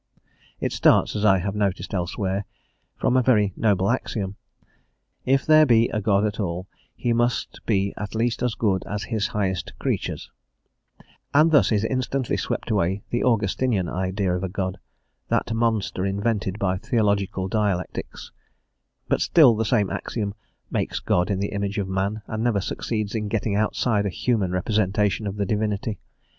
It starts, as I have noticed elsewhere, from a very noble axiom: "If there be a God at all he must be at least as good as his highest creatures," and thus is instantly swept away the Augustinian idea of a God, that monster invented by theological dialectics; but still the same axiom makes God in the image of man, and never succeeds in getting outside a human representation of the Divinity.